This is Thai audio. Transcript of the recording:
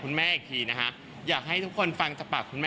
คือแม้ว่าจะมีการเลื่อนงานชาวพนักกิจแต่พิธีไว้อาลัยยังมีครบ๓วันเหมือนเดิม